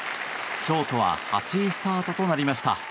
ショートは８位スタートとなりました。